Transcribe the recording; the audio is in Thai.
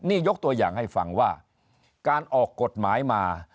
นี่ยกตัวอย่างให้ฟังว่าการออกกฎหมายมา